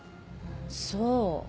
そう。